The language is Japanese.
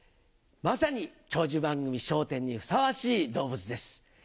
まさに長寿番組『笑点』にふさわしい動物です。